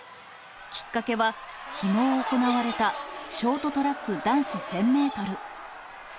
きっかけは、きのう行われた、ショートトラック男子１０００メートル。